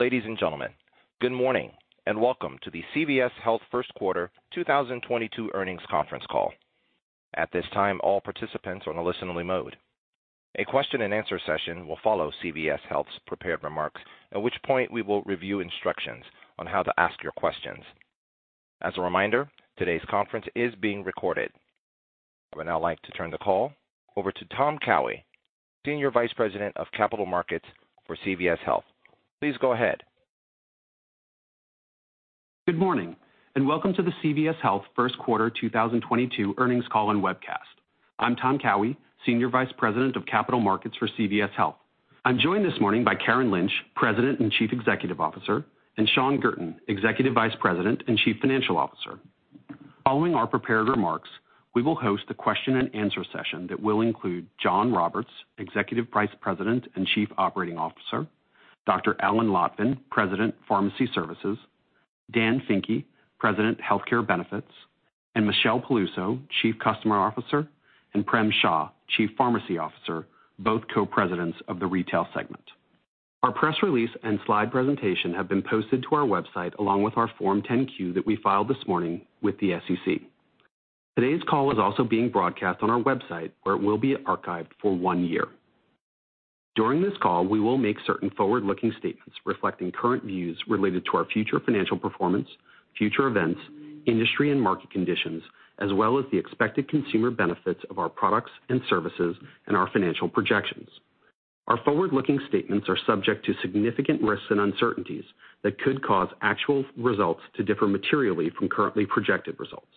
Ladies and gentlemen, good morning, and welcome to the CVS Health First Quarter 2022 Earnings Conference Call. At this time, all participants are on a listen-only mode. A question-and-answer session will follow CVS Health's prepared remarks, at which point we will review instructions on how to ask your questions. As a reminder, today's conference is being recorded. I would now like to turn the call over to Tom Cowhey, Senior Vice President of Capital Markets for CVS Health. Please go ahead. Good morning, and welcome to the CVS Health First Quarter 2022 Earnings Call and Webcast. I'm Tom Cowhey, Senior Vice President of Capital Markets for CVS Health. I'm joined this morning by Karen Lynch, President and Chief Executive Officer, and Shawn Guertin, Executive Vice President and Chief Financial Officer. Following our prepared remarks, we will host a question-and-answer session that will include Jon Roberts, Executive Vice President and Chief Operating Officer, Dr. Alan Lotvin, President, Pharmacy Services, Dan Finke, President, Healthcare Benefits, and Michelle Peluso, Chief Customer Officer, and Prem Shah, Chief Pharmacy Officer, both Co-Presidents of the Retail segment. Our press release and slide presentation have been posted to our website, along with our Form 10-Q that we filed this morning with the SEC. Today's call is also being broadcast on our website, where it will be archived for one year. During this call, we will make certain forward-looking statements reflecting current views related to our future financial performance, future events, industry and market conditions, as well as the expected consumer benefits of our products and services and our financial projections. Our forward-looking statements are subject to significant risks and uncertainties that could cause actual results to differ materially from currently projected results.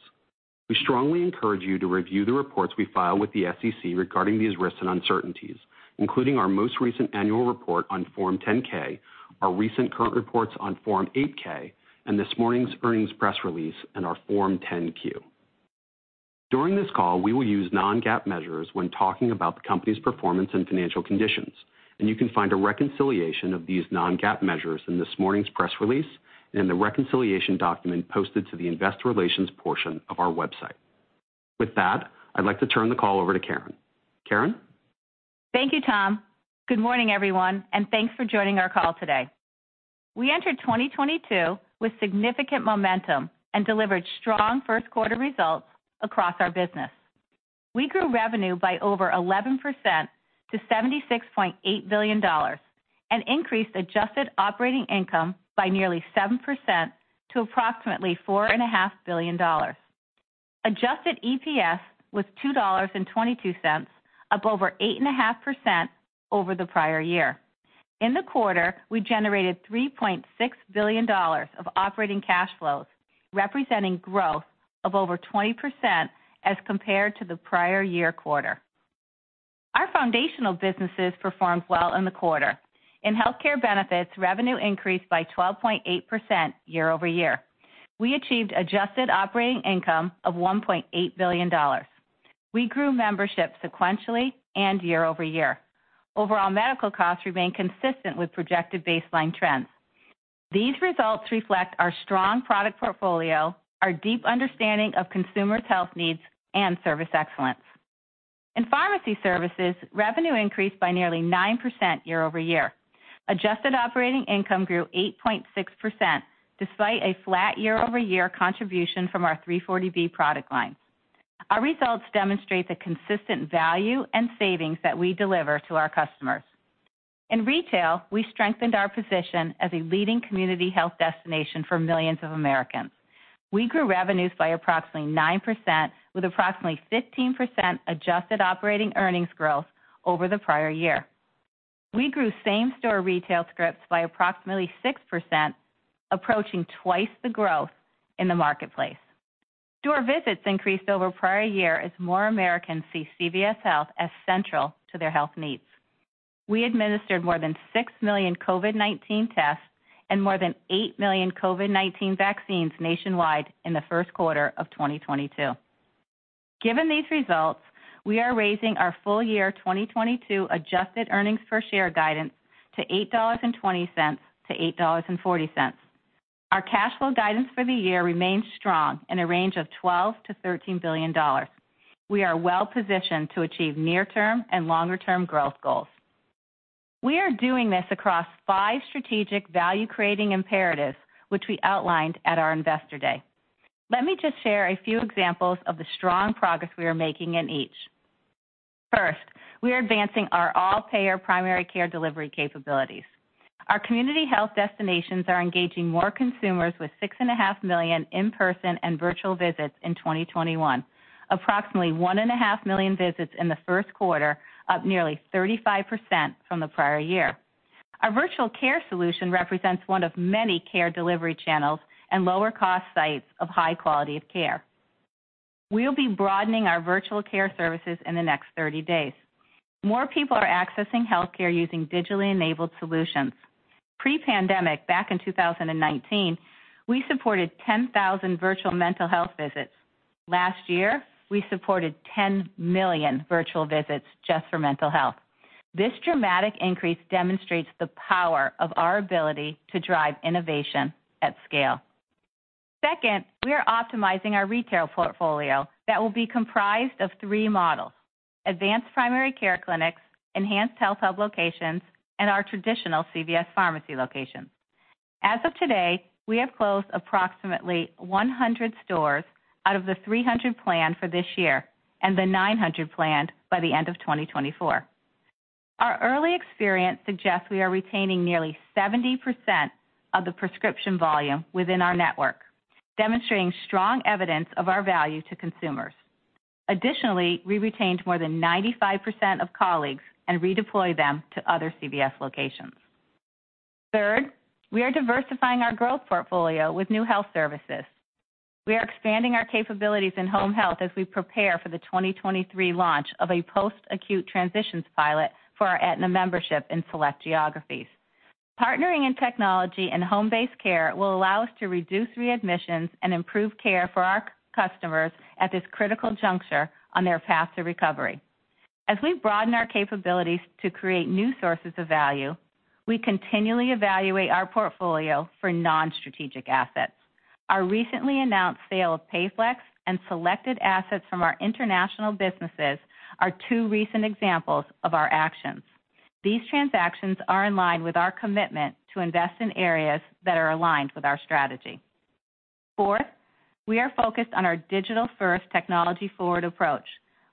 We strongly encourage you to review the reports we file with the SEC regarding these risks and uncertainties, including our most recent annual report on Form 10-K, our recent current reports on Form 8-K, and this morning's earnings press release and our Form 10-Q. During this call, we will use non-GAAP measures when talking about the company's performance and financial conditions, and you can find a reconciliation of these non-GAAP measures in this morning's press release and in the reconciliation document posted to the investor relations portion of our website. With that, I'd like to turn the call over to Karen. Karen? Thank you, Tom. Good morning, everyone, and thanks for joining our call today. We entered 2022 with significant momentum and delivered strong first quarter results across our business. We grew revenue by over 11% to $76.8 billion, and increased adjusted operating income by nearly 7% to approximately $4.5 billion. Adjusted EPS was $2.22, up over 8.5% over the prior year. In the quarter, we generated $3.6 billion of operating cash flows, representing growth of over 20% as compared to the prior year quarter. Our foundational businesses performed well in the quarter. In Healthcare Benefits, revenue increased by 12.8% year-over-year. We achieved adjusted operating income of $1.8 billion. We grew membership sequentially and year-over-year. Overall medical costs remain consistent with projected baseline trends. These results reflect our strong product portfolio, our deep understanding of consumers' health needs, and service excellence. In Pharmacy Services, revenue increased by nearly 9% year-over-year. Adjusted operating income grew 8.6% despite a flat year-over-year contribution from our 340B product line. Our results demonstrate the consistent value and savings that we deliver to our customers. In Retail, we strengthened our position as a leading community health destination for millions of Americans. We grew revenues by approximately 9% with approximately 15% adjusted operating earnings growth over the prior year. We grew same-store retail scripts by approximately 6%, approaching twice the growth in the marketplace. Store visits increased over prior year as more Americans see CVS Health as central to their health needs. We administered more than 6 million COVID-19 tests and more than 8 million COVID-19 vaccines nationwide in the first quarter of 2022. Given these results, we are raising our full year 2022 adjusted earnings per share guidance to $8.20-$8.40. Our cash flow guidance for the year remains strong in a range of $12-13 billion. We are well-positioned to achieve near-term and longer-term growth goals. We are doing this across five strategic value-creating imperatives, which we outlined at our Investor Day. Let me just share a few examples of the strong progress we are making in each. First, we are advancing our all-payer primary care delivery capabilities. Our community health destinations are engaging more consumers with 6.5 million in-person and virtual visits in 2021, approximately 1.5 million visits in the first quarter, up nearly 35% from the prior year. Our virtual care solution represents one of many care delivery channels and lower cost sites of high quality of care. We'll be broadening our virtual care services in the next thirty days. More people are accessing healthcare using digitally enabled solutions. Pre-pandemic, back in 2019, we supported 10,000 virtual mental health visits. Last year, we supported 10 million virtual visits just for mental health. This dramatic increase demonstrates the power of our ability to drive innovation at scale. Second, we are optimizing our retail portfolio that will be comprised of three models: advanced primary care clinics, enhanced health hub locations, and our traditional CVS Pharmacy locations. As of today, we have closed approximately 100 stores out of the 300 planned for this year and the 900 planned by the end of 2024. Our early experience suggests we are retaining nearly 70% of the prescription volume within our network, demonstrating strong evidence of our value to consumers. Additionally, we retained more than 95% of colleagues and redeployed them to other CVS locations. Third, we are diversifying our growth portfolio with new health services. We are expanding our capabilities in home health as we prepare for the 2023 launch of a post-acute transitions pilot for our Aetna membership in select geographies. Partnering in technology and home-based care will allow us to reduce readmissions and improve care for our customers at this critical juncture on their path to recovery. As we broaden our capabilities to create new sources of value, we continually evaluate our portfolio for non-strategic assets. Our recently announced sale of PayFlex and selected assets from our international businesses are two recent examples of our actions. These transactions are in line with our commitment to invest in areas that are aligned with our strategy. Fourth, we are focused on our digital-first technology-forward approach.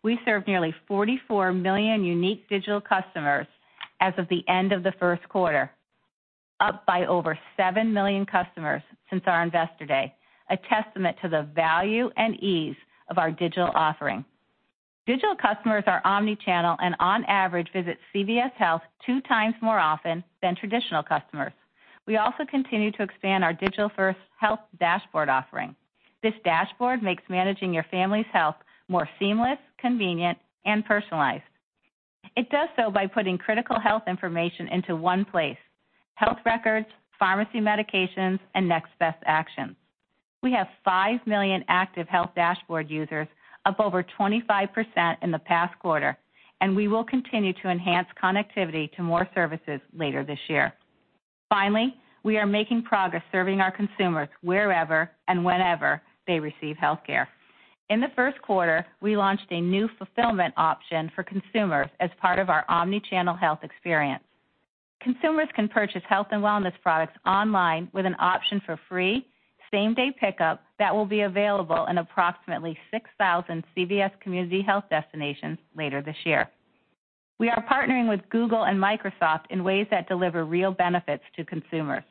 We serve nearly 44 million unique digital customers as of the end of the first quarter, up by over 7 million customers since our investor day, a testament to the value and ease of our digital offering. Digital customers are omni-channel and on average visit CVS Health 2x more often than traditional customers. We also continue to expand our digital-first health dashboard offering. This dashboard makes managing your family's health more seamless, convenient, and personalized. It does so by putting critical health information into one place, health records, pharmacy medications, and next best actions. We have 5 million active health dashboard users, up over 25% in the past quarter, and we will continue to enhance connectivity to more services later this year. Finally, we are making progress serving our consumers wherever and whenever they receive healthcare. In the first quarter, we launched a new fulfillment option for consumers as part of our omni-channel health experience. Consumers can purchase health and wellness products online with an option for free same-day pickup that will be available in approximately 6,000 CVS community health destinations later this year. We are partnering with Google and Microsoft in ways that deliver real benefits to consumers.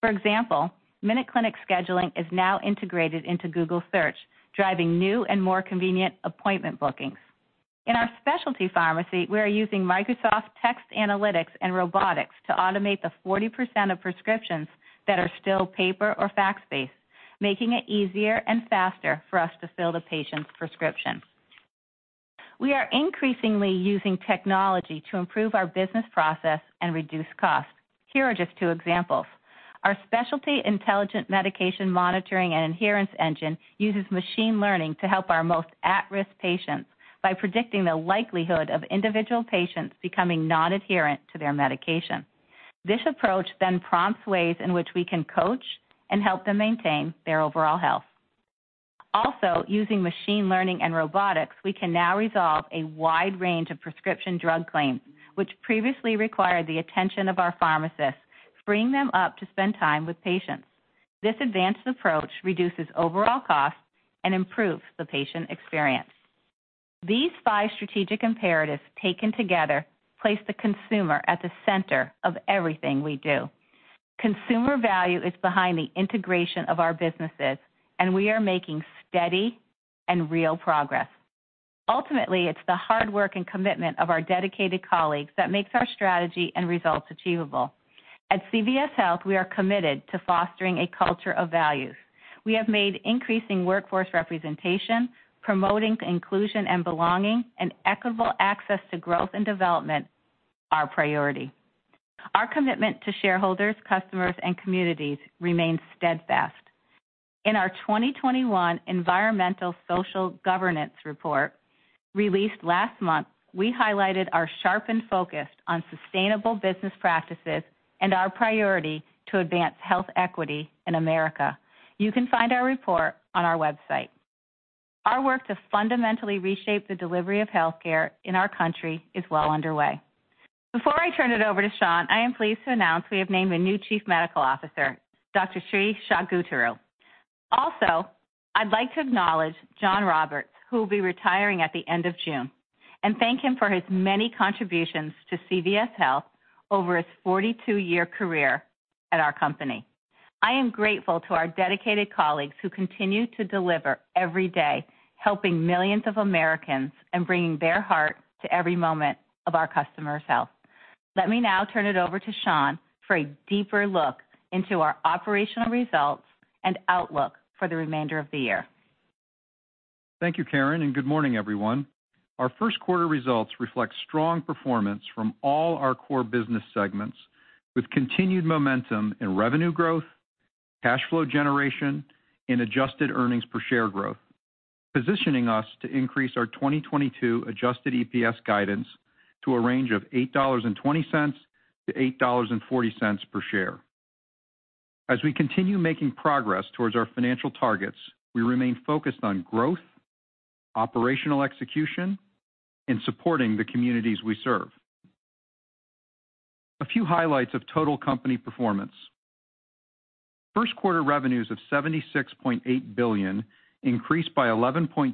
For example, MinuteClinic scheduling is now integrated into Google Search, driving new and more convenient appointment bookings. In our specialty pharmacy, we are using Microsoft Text Analytics and robotics to automate the 40% of prescriptions that are still paper or fax-based, making it easier and faster for us to fill the patient's prescription. We are increasingly using technology to improve our business process and reduce costs. Here are just two examples. Our specialty intelligent medication monitoring and adherence engine uses machine learning to help our most at-risk patients by predicting the likelihood of individual patients becoming non-adherent to their medication. This approach then prompts ways in which we can coach and help them maintain their overall health. Also, using machine learning and robotics, we can now resolve a wide range of prescription drug claims, which previously required the attention of our pharmacists, freeing them up to spend time with patients. This advanced approach reduces overall costs and improves the patient experience. These five strategic imperatives, taken together, place the consumer at the center of everything we do. Consumer value is behind the integration of our businesses, and we are making steady and real progress. Ultimately, it's the hard work and commitment of our dedicated colleagues that makes our strategy and results achievable. At CVS Health, we are committed to fostering a culture of values. We have made increasing workforce representation, promoting inclusion and belonging, and equitable access to growth and development our priority. Our commitment to shareholders, customers, and communities remains steadfast. In our 2021 Environmental Social Governance Report, released last month, we highlighted our sharpened focus on sustainable business practices and our priority to advance health equity in America. You can find our report on our website. Our work to fundamentally reshape the delivery of healthcare in our country is well underway. Before I turn it over to Shawn, I am pleased to announce we have named a new Chief Medical Officer, Dr. Sree Chaguturu. Also, I'd like to acknowledge Jon Roberts, who will be retiring at the end of June, and thank him for his many contributions to CVS Health over his 42-year career at our company. I am grateful to our dedicated colleagues who continue to deliver every day, helping millions of Americans and bringing their heart to every moment of our customers' health. Let me now turn it over to Shawn for a deeper look into our operational results and outlook for the remainder of the year. Thank you, Karen, and good morning, everyone. Our first quarter results reflect strong performance from all our core business segments with continued momentum in revenue growth, cash flow generation, and adjusted earnings per share growth. Positioning us to increase our 2022 adjusted EPS guidance to a range of $8.20-$8.40 per share. As we continue making progress towards our financial targets, we remain focused on growth, operational execution, and supporting the communities we serve. A few highlights of total company performance. First quarter revenues of $76.8 billion increased by 11.2%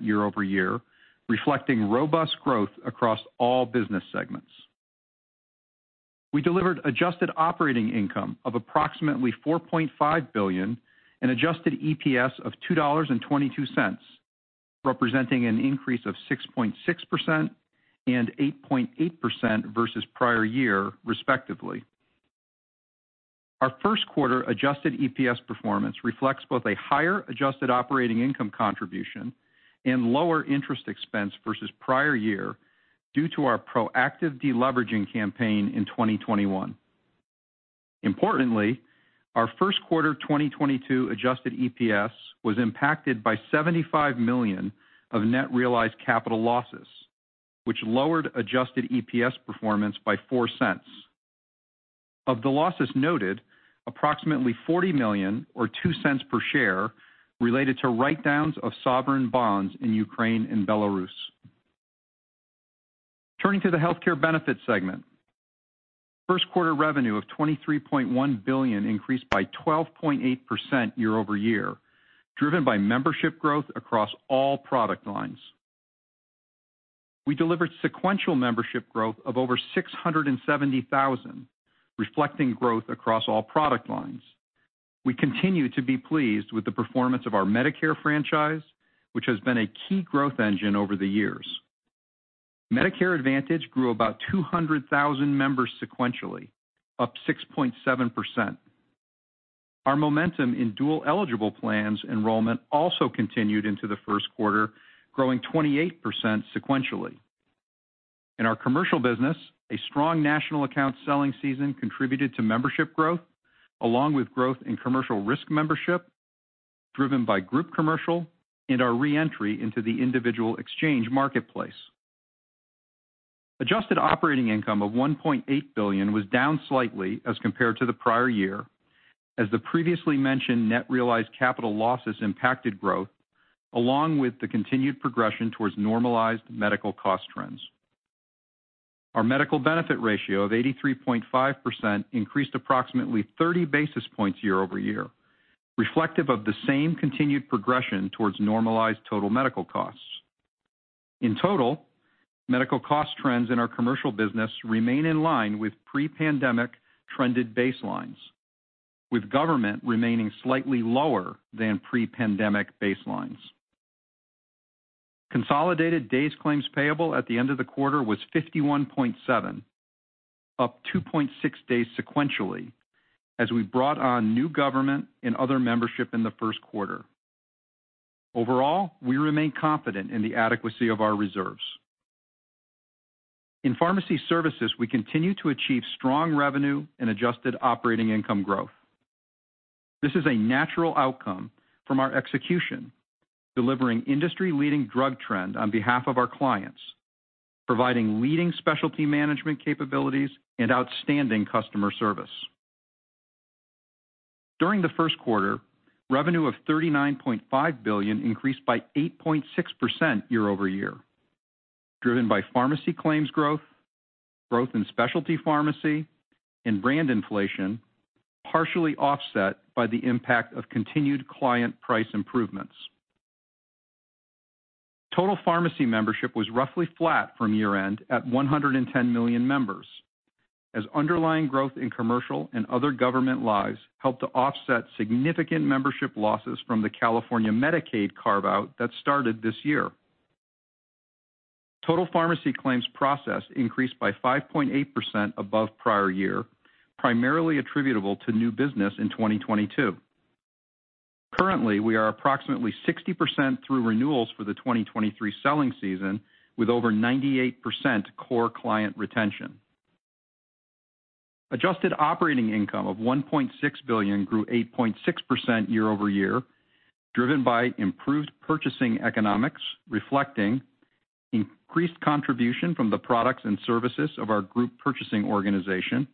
year-over-year, reflecting robust growth across all business segments. We delivered adjusted operating income of approximately $4.5 billion and adjusted EPS of $2.22, representing an increase of 6.6% and 8.8% versus prior year. Our first quarter adjusted EPS performance reflects both a higher adjusted operating income contribution and lower interest expense versus the prior year due to our proactive deleveraging campaign in 2021. Importantly, our first quarter 2022 adjusted EPS was impacted by $75 million of net realized capital losses, which lowered adjusted EPS performance by $0.04. Of the losses noted, approximately $40 million or $0.02 per share related to write-downs of sovereign bonds in Ukraine and Belarus. Turning to the healthcare benefits segment. First quarter revenue of $23.1 billion increased by 12.8% year-over-year, driven by membership growth across all product lines. We delivered sequential membership growth of over 670,000, reflecting growth across all product lines. We continue to be pleased with the performance of our Medicare franchise, which has been a key growth engine over the years. Medicare Advantage grew about 200,000 members sequentially, up 6.7%. Our momentum in dual-eligible plans enrollment also continued into the first quarter, growing 28% sequentially. In our commercial business, a strong national account selling season contributed to membership growth, along with growth in commercial risk membership driven by group commercial and our re-entry into the individual exchange marketplace. Adjusted operating income of $1.8 billion was down slightly as compared to the prior year as the previously mentioned net realized capital losses impacted growth, along with the continued progression towards normalized medical cost trends. Our Medical Benefit Ratio of 83.5% increased approximately 30 basis points year-over-year, reflective of the same continued progression towards normalized total medical costs. In total, medical cost trends in our commercial business remain in line with pre-pandemic trended baselines, with government remaining slightly lower than pre-pandemic baselines. Consolidated Days Claims Payable at the end of the quarter was 51.7, up 2.6 days sequentially as we brought on new government and other membership in the first quarter. Overall, we remain confident in the adequacy of our reserves. In pharmacy services, we continue to achieve strong revenue and adjusted operating income growth. This is a natural outcome from our execution, delivering industry-leading drug trend on behalf of our clients, providing leading specialty management capabilities and outstanding customer service. During the first quarter, revenue of $39.5 billion increased by 8.6% year-over-year, driven by pharmacy claims growth in specialty pharmacy and brand inflation, partially offset by the impact of continued client price improvements. Total pharmacy membership was roughly flat from year-end at 110 million members as underlying growth in commercial and other government lives helped to offset significant membership losses from the California Medicaid carve-out that started this year. Total pharmacy claims processed increased by 5.8% above prior year, primarily attributable to new business in 2022. Currently, we are approximately 60% through renewals for the 2023 selling season with over 98% core client retention. Adjusted operating income of $1.6 billion grew 8.6% year-over-year, driven by improved purchasing economics, reflecting increased contribution from the products and services of our group purchasing organization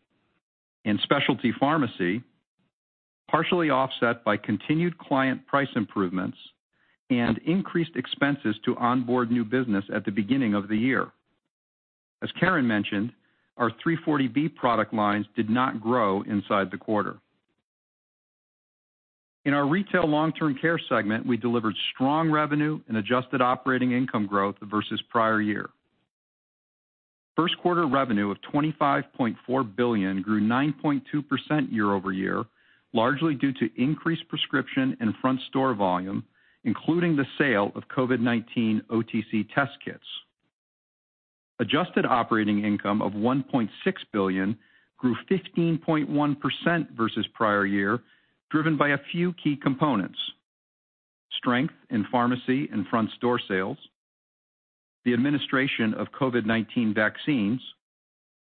and specialty pharmacy, partially offset by continued client price improvements and increased expenses to onboard new business at the beginning of the year. As Karen mentioned, our 340B product lines did not grow inside the quarter. In our retail long-term care segment, we delivered strong revenue and adjusted operating income growth versus prior year. First quarter revenue of $25.4 billion grew 9.2% year-over-year, largely due to increased prescription and front store volume, including the sale of COVID-19 OTC test kits. Adjusted operating income of $1.6 billion grew 15.1% versus prior year, driven by a few key components, strength in pharmacy and front store sales, the administration of COVID-19 vaccines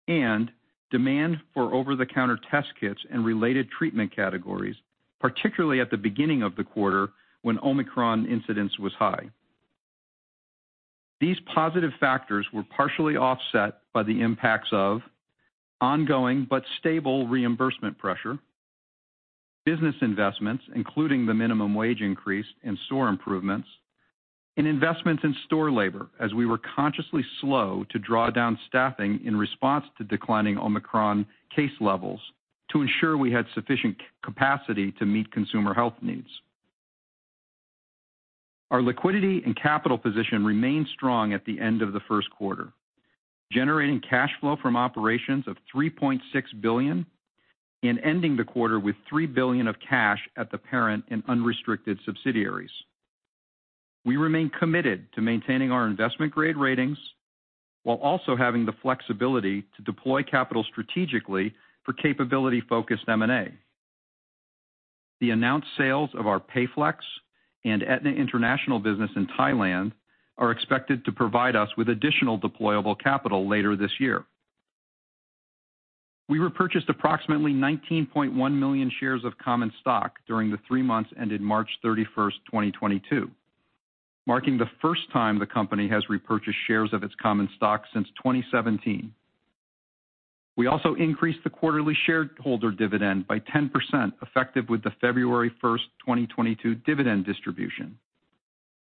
and demand for over-the-counter test kits and related treatment categories, particularly at the beginning of the quarter when Omicron incidence was high. These positive factors were partially offset by the impacts of ongoing but stable reimbursement pressure, business investments, including the minimum wage increase and store improvements, and investments in store labor, as we were consciously slow to draw down staffing in response to declining Omicron case levels to ensure we had sufficient capacity to meet consumer health needs. Our liquidity and capital position remained strong at the end of the first quarter, generating cash flow from operations of $3.6 billion and ending the quarter with $3 billion of cash at the parent and unrestricted subsidiaries. We remain committed to maintaining our investment-grade ratings while also having the flexibility to deploy capital strategically for capability-focused M&A. The announced sales of our PayFlex and Aetna International business in Thailand are expected to provide us with additional deployable capital later this year. We repurchased approximately 19.1 million shares of common stock during the three months ended March 31, 2022, marking the first time the company has repurchased shares of its common stock since 2017. We also increased the quarterly shareholder dividend by 10%, effective with the February 1, 2022 dividend distribution,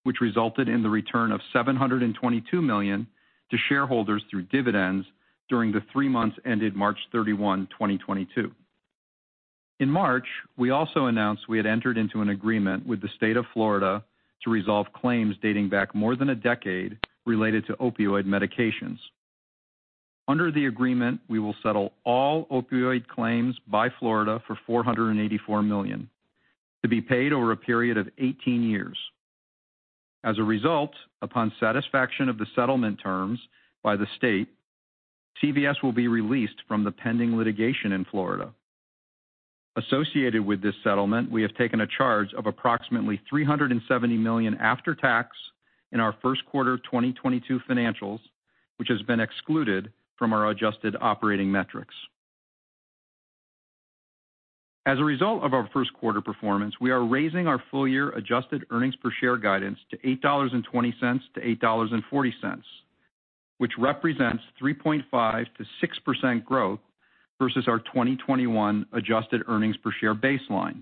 which resulted in the return of $722 million to shareholders through dividends during the three months ended March 31, 2022. In March, we also announced we had entered into an agreement with the state of Florida to resolve claims dating back more than a decade related to opioid medications. Under the agreement, we will settle all opioid claims by Florida for $484 million to be paid over a period of 18 years. As a result, upon satisfaction of the settlement terms by the state, CVS will be released from the pending litigation in Florida. Associated with this settlement, we have taken a charge of approximately $370 million after tax in our first quarter of 2022 financials, which has been excluded from our adjusted operating metrics. As a result of our first quarter performance, we are raising our full-year adjusted earnings per share guidance to $8.20-$8.40, which represents 3.5%-6% growth versus our 2021 adjusted earnings per share baseline.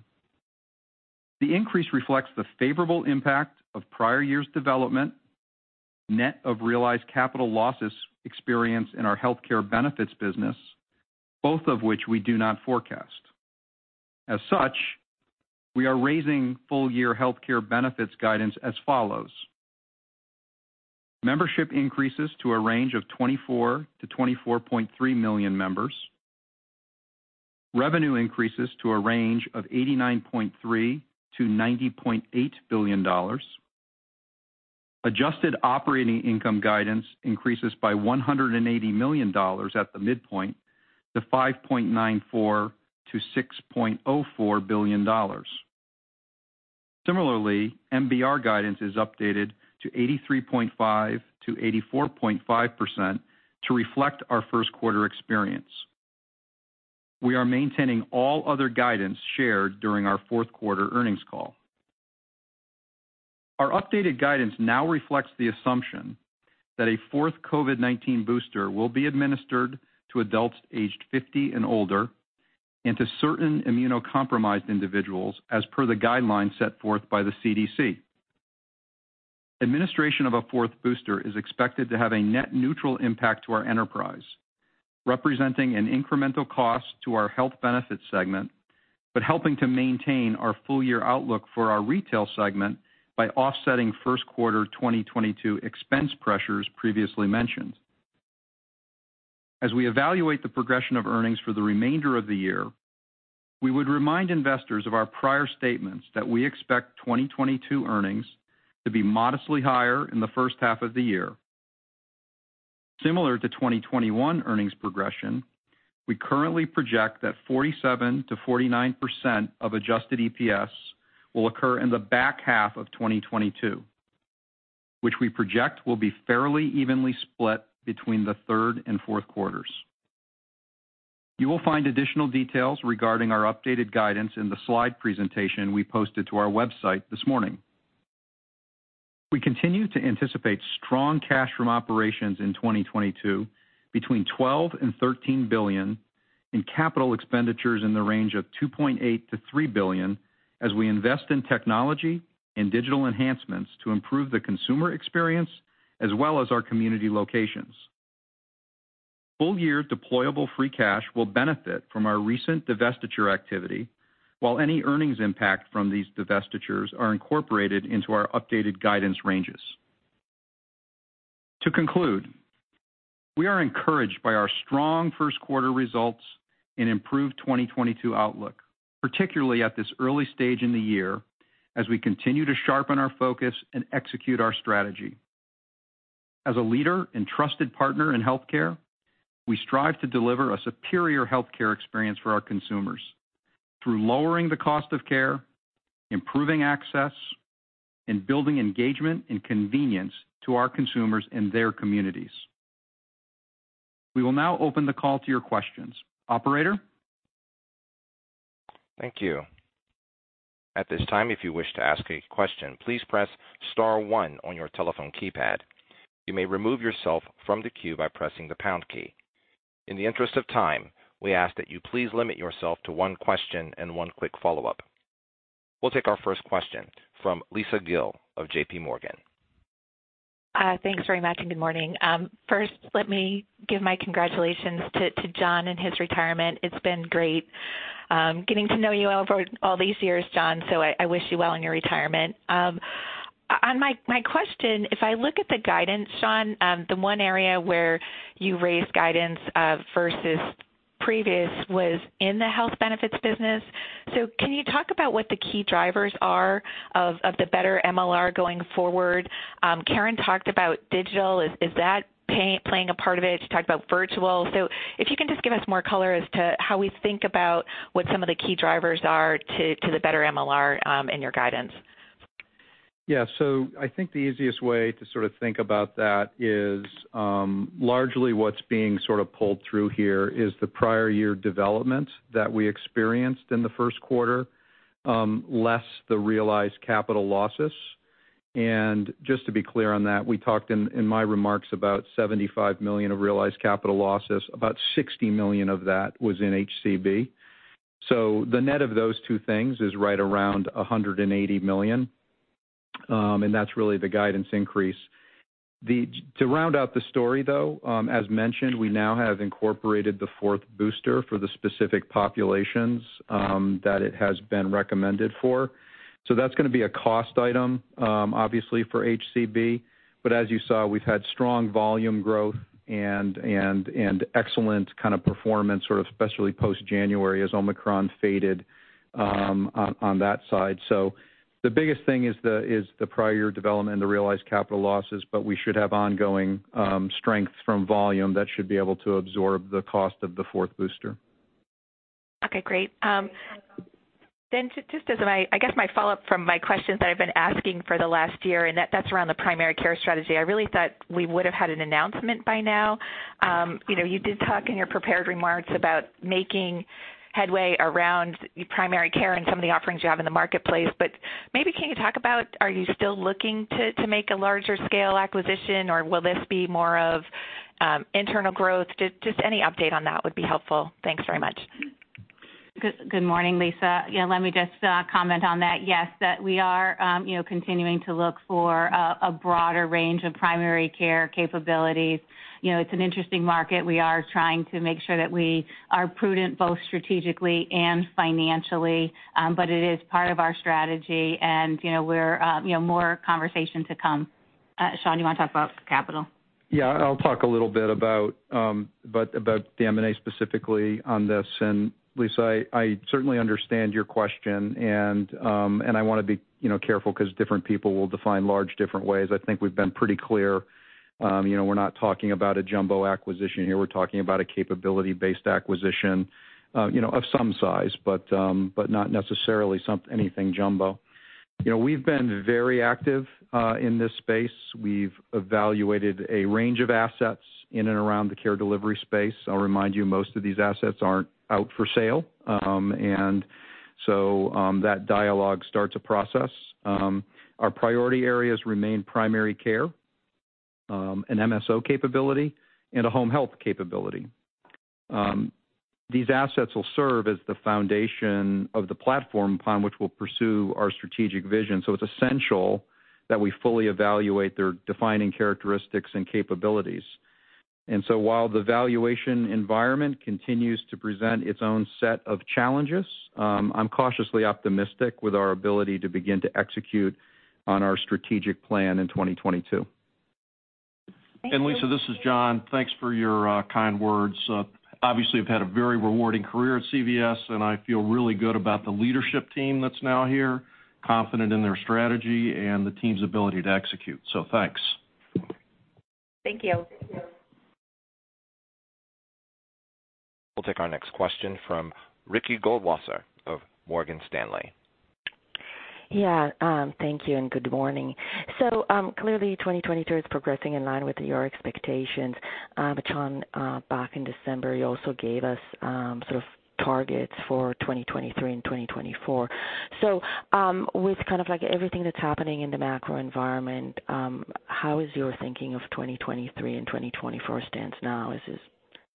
The increase reflects the favorable impact of prior year's development, net of realized capital losses experienced in our healthcare benefits business, both of which we do not forecast. As such, we are raising full-year healthcare benefits guidance as follows: membership increases to a range of 24-24.3 million members. Revenue increases to a range of $89.3 billion-$90.8 billion. Adjusted operating income guidance increases by $180 million at the midpoint to $5.94 billion-$6.04 billion. Similarly, MBR guidance is updated to 83.5%-84.5% to reflect our first quarter experience. We are maintaining all other guidance shared during our fourth quarter earnings call. Our updated guidance now reflects the assumption that a fourth COVID-19 booster will be administered to adults aged 50 and older and to certain immunocompromised individuals as per the guidelines set forth by the CDC. Administration of a fourth booster is expected to have a net neutral impact to our enterprise, representing an incremental cost to our health benefits segment, but helping to maintain our full-year outlook for our retail segment by offsetting first quarter 2022 expense pressures previously mentioned. As we evaluate the progression of earnings for the remainder of the year, we would remind investors of our prior statements that we expect 2022 earnings to be modestly higher in the first half of the year. Similar to 2021 earnings progression, we currently project that 47%-49% of Adjusted EPS will occur in the back half of 2022, which we project will be fairly evenly split between the third and fourth quarters. You will find additional details regarding our updated guidance in the slide presentation we posted to our website this morning. We continue to anticipate strong cash from operations in 2022 between $12 -13 billion, and capital expenditures in the range of $2.8-3 billion as we invest in technology and digital enhancements to improve the consumer experience as well as our community locations. Full-year deployable free cash will benefit from our recent divestiture activity, while any earnings impact from these divestitures are incorporated into our updated guidance ranges. To conclude, we are encouraged by our strong first quarter results and improved 2022 outlook, particularly at this early stage in the year as we continue to sharpen our focus and execute our strategy. As a leader and trusted partner in healthcare, we strive to deliver a superior healthcare experience for our consumers. Through lowering the cost of care, improving access, and building engagement and convenience to our consumers and their communities. We will now open the call to your questions. Operator? Thank you. At this time, if you wish to ask a question, please press star one on your telephone keypad. You may remove yourself from the queue by pressing the pound key. In the interest of time, we ask that you please limit yourself to one question and one quick follow-up. We'll take our first question from Lisa Gill of JP Morgan. Thanks very much, and good morning. First let me give my congratulations to Jon and his retirement. It's been great getting to know you over all these years, Jon, so I wish you well in your retirement. On my question, if I look at the guidance, Shawn, the one area where you raised guidance versus previous was in the health benefits business. Can you talk about what the key drivers are of the better MLR going forward? Karen talked about digital. Is that playing a part of it? She talked about virtual. If you can just give us more color as to how we think about what some of the key drivers are to the better MLR in your guidance. Yeah. I think the easiest way to sort of think about that is, largely what's being sort of pulled through here is the prior year development that we experienced in the first quarter, less the realized capital losses. Just to be clear on that, we talked in my remarks about $75 million of realized capital losses. About $60 million of that was in HCB. The net of those two things is right around $180 million, and that's really the guidance increase. To round out the story though, as mentioned, we now have incorporated the fourth booster for the specific populations that it has been recommended for. That's gonna be a cost item, obviously for HCB. As you saw, we've had strong volume growth and excellent kind of performance, sort of especially post-January as Omicron faded, on that side. The biggest thing is the prior development and the realized capital losses, but we should have ongoing strength from volume that should be able to absorb the cost of the fourth booster. Okay, great. Just as my, I guess my follow-up from my questions that I've been asking for the last year, and that's around the primary care strategy. I really thought we would've had an announcement by now. You know, you did talk in your prepared remarks about making headway around primary care and some of the offerings you have in the marketplace, but maybe can you talk about are you still looking to make a larger scale acquisition, or will this be more of internal growth? Just any update on that would be helpful. Thanks very much. Good morning, Lisa. Yeah, let me just comment on that. Yes, that we are continuing to look for a broader range of primary care capabilities. You know, it's an interesting market. We are trying to make sure that we are prudent both strategically and financially, but it is part of our strategy and, you know, we're, you know, more conversation to come. Shawn, you wanna talk about capital? Yeah. I'll talk a little bit about the M&A specifically on this. Lisa, I certainly understand your question and I wanna be, you know, careful 'cause different people will define large different ways. I think we've been pretty clear. You know, we're not talking about a jumbo acquisition here. We're talking about a capability-based acquisition, you know, of some size, but not necessarily anything jumbo. You know, we've been very active in this space. We've evaluated a range of assets in and around the care delivery space. I'll remind you, most of these assets aren't out for sale. That dialogue starts a process. Our priority areas remain primary care, an MSO capability, and a home health capability. These assets will serve as the foundation of the platform upon which we'll pursue our strategic vision. It's essential that we fully evaluate their defining characteristics and capabilities. While the valuation environment continues to present its own set of challenges, I'm cautiously optimistic with our ability to begin to execute on our strategic plan in 2022. Thank you. Lisa, this is Jon. Thanks for your kind words. Obviously I've had a very rewarding career at CVS, and I feel really good about the leadership team that's now here, confident in their strategy and the team's ability to execute. Thanks. Thank you. We'll take our next question from Ricky Goldwasser of Morgan Stanley. Yeah, thank you, and good morning. Clearly 2022 is progressing in line with your expectations. Jon, back in December, you also gave us, sort of targets for 2023 and 2024. With kind of like everything that's happening in the macro environment, how is your thinking of 2023 and 2024 stands now?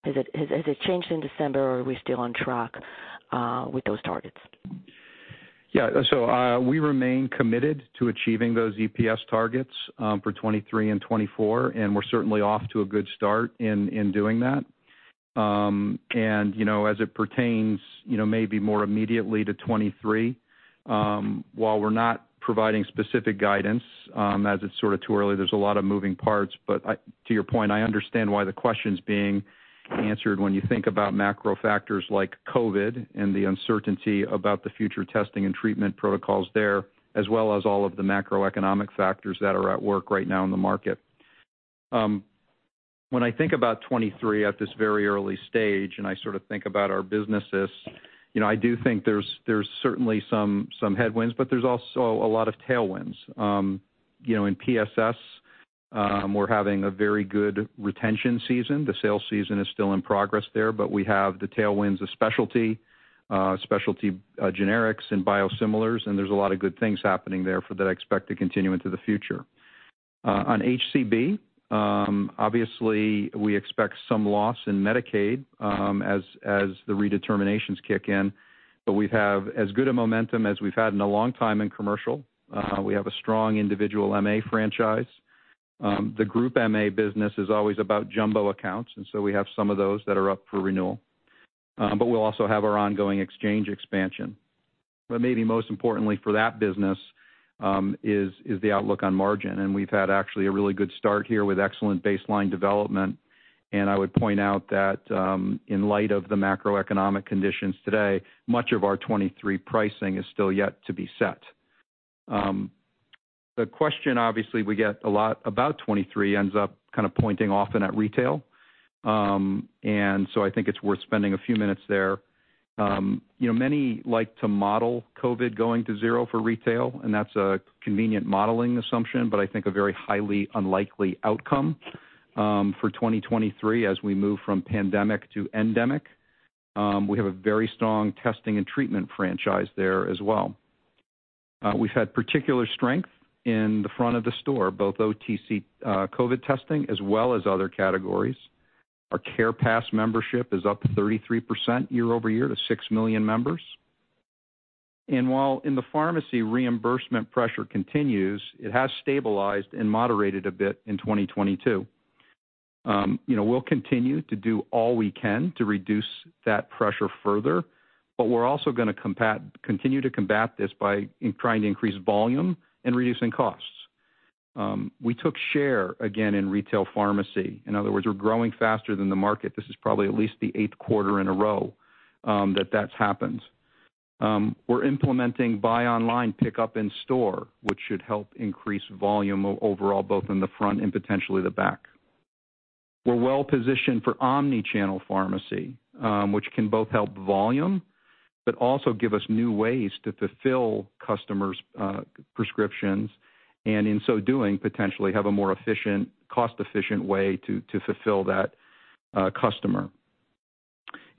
Has it changed in December or are we still on track with those targets? Yeah. We remain committed to achieving those EPS targets for 2023 and 2024, and we're certainly off to a good start in doing that. You know, as it pertains, you know, maybe more immediately to 2023, while we're not providing specific guidance, as it's sort of too early, there's a lot of moving parts. To your point, I understand why the question's being asked when you think about macro factors like COVID and the uncertainty about the future testing and treatment protocols there, as well as all of the macroeconomic factors that are at work right now in the market. When I think about 2023 at this very early stage, and I sort of think about our businesses, you know, I do think there's certainly some headwinds, but there's also a lot of tailwinds. You know, in PSS, we're having a very good retention season. The sales season is still in progress there, but we have the tailwinds of specialty generics and biosimilars, and there's a lot of good things happening there for that I expect to continue into the future. On HCB, obviously, we expect some loss in Medicaid, as the redeterminations kick in. We have as good a momentum as we've had in a long time in commercial. We have a strong individual MA franchise. The group MA business is always about jumbo accounts, and so we have some of those that are up for renewal. We'll also have our ongoing exchange expansion. Maybe most importantly for that business, is the outlook on margin. We've had actually a really good start here with excellent baseline development. I would point out that in light of the macroeconomic conditions today, much of our 2023 pricing is still yet to be set. The question, obviously, we get a lot about 2023 ends up kind of pointing often at retail. I think it's worth spending a few minutes there. You know, many like to model COVID going to zero for retail, and that's a convenient modeling assumption, but I think a very highly unlikely outcome for 2023 as we move from pandemic to endemic. We have a very strong testing and treatment franchise there as well. We've had particular strength in the front of the store, both OTC, COVID testing, as well as other categories. Our CarePass membership is up 33% year-over-year to 6 million members. While the pharmacy reimbursement pressure continues, it has stabilized and moderated a bit in 2022. You know, we'll continue to do all we can to reduce that pressure further, but we're also gonna continue to combat this by trying to increase volume and reducing costs. We took share again in retail pharmacy. In other words, we're growing faster than the market. This is probably at least the 8th quarter in a row that that's happened. We're implementing buy online, pickup in store, which should help increase volume overall, both in the front and potentially the back. We're well positioned for omni-channel pharmacy, which can both help volume, but also give us new ways to fulfill customers' prescriptions, and in so doing, potentially have a more efficient, cost-efficient way to fulfill that customer.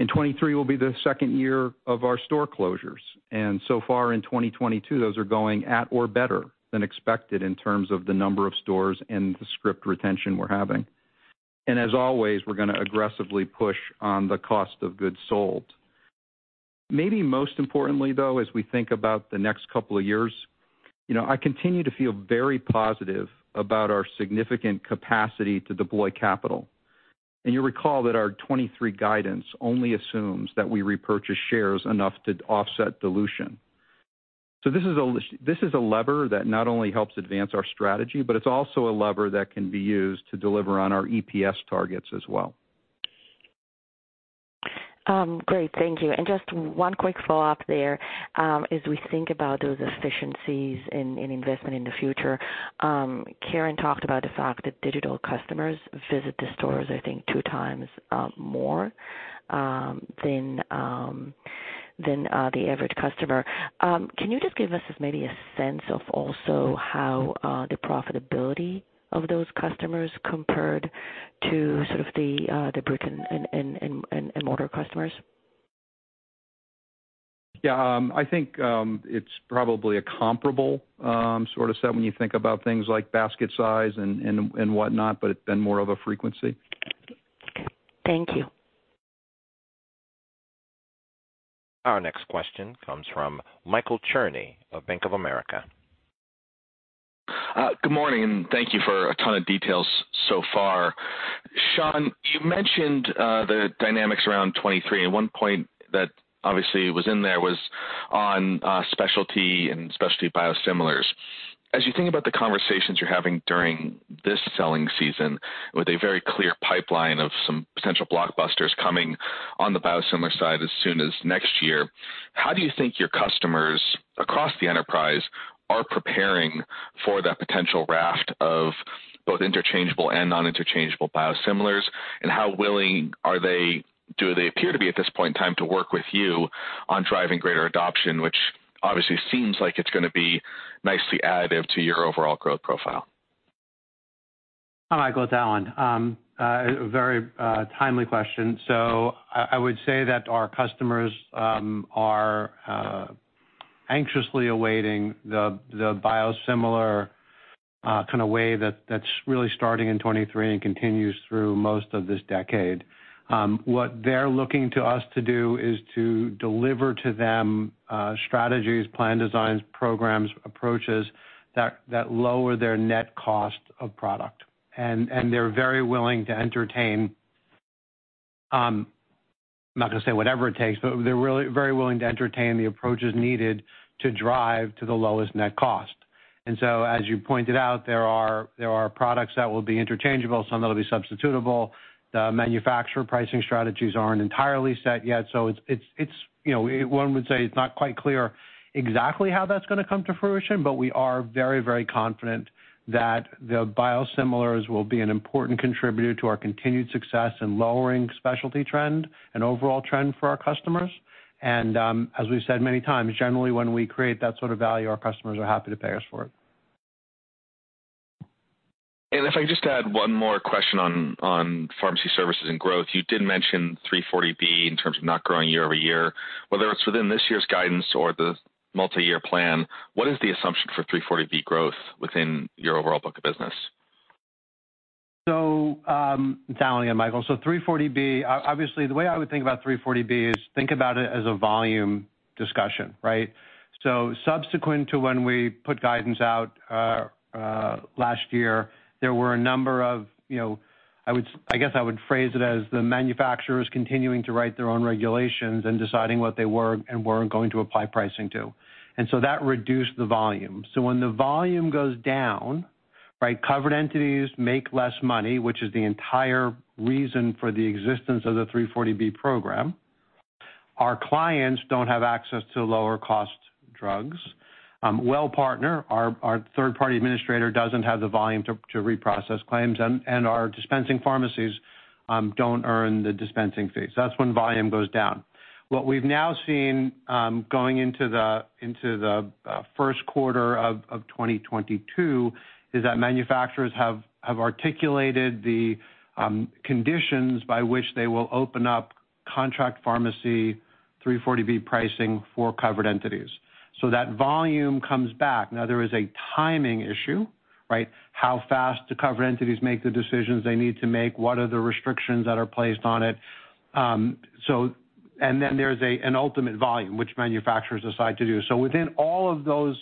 In 2023 will be the second year of our store closures, and so far in 2022, those are going at or better than expected in terms of the number of stores and the script retention we're having. As always, we're gonna aggressively push on the cost of goods sold. Maybe most importantly, though, as we think about the next couple of years, you know, I continue to feel very positive about our significant capacity to deploy capital. You recall that our 2023 guidance only assumes that we repurchase shares enough to offset dilution. This is a lever that not only helps advance our strategy, but it's also a lever that can be used to deliver on our EPS targets as well. Great. Thank you. Just one quick follow-up there. As we think about those efficiencies in investment in the future, Karen talked about the fact that digital customers visit the stores, I think, two times more than the average customer. Can you just give us maybe a sense of also how the profitability of those customers compared to sort of the brick and mortar customers? Yeah. I think it's probably a comparable sort of set when you think about things like basket size and whatnot, but then more of a frequency. Thank you. Our next question comes from Michael Cherny of Bank of America. Good morning, and thank you for a ton of details so far. Shawn, you mentioned the dynamics around 2023, and one point that obviously was in there was on specialty and specialty biosimilars. As you think about the conversations you're having during this selling season with a very clear pipeline of some potential blockbusters coming on the biosimilar side as soon as next year, how do you think your customers across the enterprise are preparing for that potential raft of both interchangeable and non-interchangeable biosimilars? How willing are they, do they appear to be at this point in time to work with you on driving greater adoption, which obviously seems like it's gonna be nicely additive to your overall growth profile? Hi, Michael, it's Alan. A very timely question. I would say that our customers are anxiously awaiting the biosimilar kind of way that's really starting in 2023 and continues through most of this decade. What they're looking to us to do is to deliver to them strategies, plan designs, programs, approaches that lower their net cost of product. They're very willing to entertain. I'm not gonna say whatever it takes, but they're really very willing to entertain the approaches needed to drive to the lowest net cost. As you pointed out, there are products that will be interchangeable, some that'll be substitutable. The manufacturer pricing strategies aren't entirely set yet, so it's, you know, one would say it's not quite clear exactly how that's gonna come to fruition, but we are very, very confident that the biosimilars will be an important contributor to our continued success in lowering specialty trend and overall trend for our customers. As we've said many times, generally, when we create that sort of value, our customers are happy to pay us for it. If I could just add one more question on pharmacy services and growth. You did mention 340B in terms of not growing year-over-year. Whether it's within this year's guidance or the multiyear plan, what is the assumption for 340B growth within your overall book of business? Alan Lotvin and Michael Cherny, 340B obviously the way I would think about 340B is think about it as a volume discussion, right? Subsequent to when we put guidance out last year, there were a number of, you know, I guess I would phrase it as the manufacturers continuing to write their own regulations and deciding what they were and weren't going to apply pricing to. That reduced the volume. When the volume goes down, right, covered entities make less money, which is the entire reason for the existence of the 340B program. Our clients don't have access to lower cost drugs. Wellpartner, our third-party administrator, doesn't have the volume to reprocess claims, and our dispensing pharmacies don't earn the dispensing fees. That's when volume goes down. What we've now seen, going into the first quarter of 2022 is that manufacturers have articulated the conditions by which they will open up contract pharmacy 340B pricing for covered entities. That volume comes back. Now there is a timing issue, right? How fast the covered entities make the decisions they need to make, what are the restrictions nd are placed on it? Then there's an ultimate volume, which manufacturers decide to do. Within all of those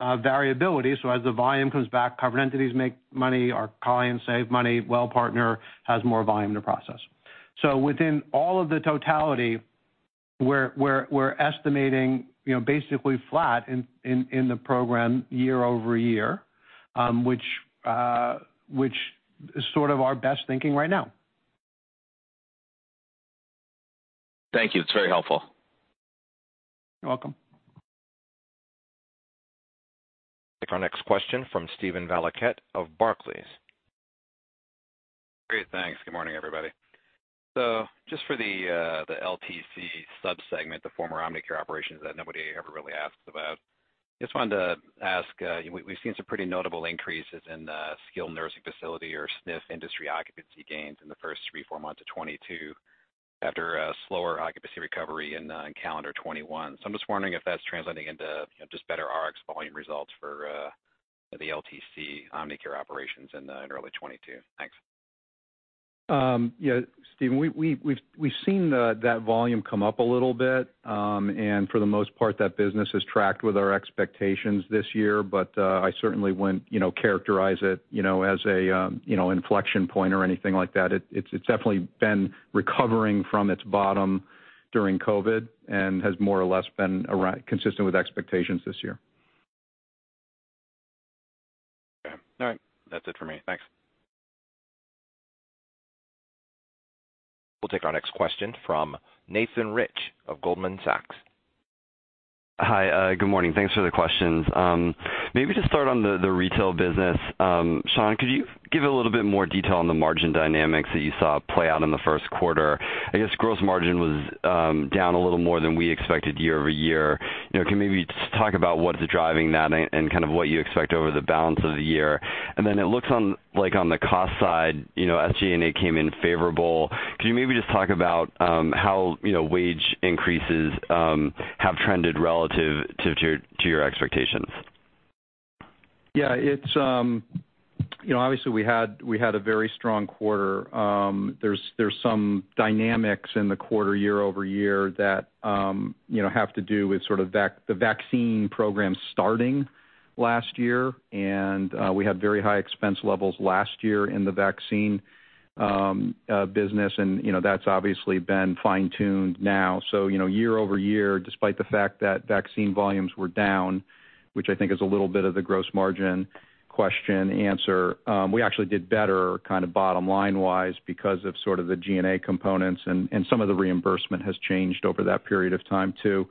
variabilities, as the volume comes back, covered entities make money, our clients save money, Wellpartner has more volume to process. Within all of the totality, we're estimating, you know, basically flat in the program year-over-year, which is sort of our best thinking right now. Thank you. It's very helpful. You're welcome. Take our next question from Steven Valiquette of Barclays. Great. Thanks. Good morning, everybody. Just for the LTC sub-segment, the former Omnicare operations that nobody ever really asks about, just wanted to ask, we've seen some pretty notable increases in the skilled nursing facility or SNF industry occupancy gains in the first three to four months of 2022 after a slower occupancy recovery in calendar 2021. I'm just wondering if that's translating into, you know, just better RX volume results for the LTC Omnicare operations in early 2022. Thanks. Yeah, Steven, we've seen that volume come up a little bit. For the most part, that business has tracked with our expectations this year. I certainly wouldn't, you know, characterize it, you know, as a, you know, inflection point or anything like that. It's definitely been recovering from its bottom during COVID and has more or less been consistent with expectations this year. Okay. All right. That's it for me. Thanks. We'll take our next question from Nathan Rich of Goldman Sachs. Hi, good morning. Thanks for the questions. Maybe just start on the retail business. Shawn, could you give a little bit more detail on the margin dynamics that you saw play out in the first quarter? I guess gross margin was down a little more than we expected year-over-year. You know, can you maybe just talk about what is driving that and kind of what you expect over the balance of the year. It looks like, on the cost side, you know, SG&A came in favorable. Could you maybe just talk about how, you know, wage increases have trended relative to your expectations? Yeah. It's you know, obviously we had a very strong quarter. There's some dynamics in the quarter year over year that you know, have to do with sort of the vaccine program starting last year. We had very high expense levels last year in the vaccine business. You know, that's obviously been fine-tuned now. You know, year over year, despite the fact that vaccine volumes were down, which I think is a little bit of the gross margin question answer, we actually did better kind of bottom-line wise because of sort of the G&A components and some of the reimbursement has changed over that period of time too.